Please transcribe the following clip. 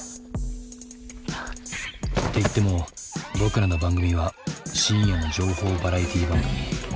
ていっても僕らの番組は深夜の情報バラエティー番組。